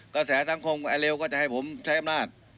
กระแสสังคมไอเร็วก็จะให้ผมใช้อำนาจ